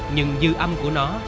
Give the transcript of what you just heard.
nhưng dư âm của nó